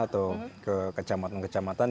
atau ke kecamatan kecamatan